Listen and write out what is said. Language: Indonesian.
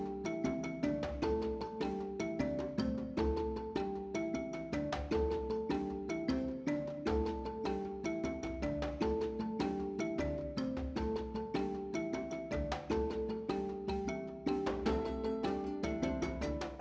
terima kasih pak